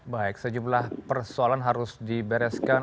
baik sejumlah persoalan harus dibereskan